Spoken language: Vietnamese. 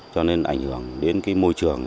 cho nên ảnh hưởng đến môi trường